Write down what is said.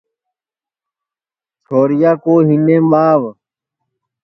چھوریا کُُو ہینٚڈؔیم ٻاو